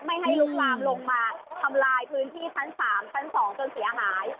ไม่ให้ลุกลามลงมาทำลายพื้นที่ชั้น๓ชั้น๒จนเสียหาย